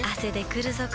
くるぞ？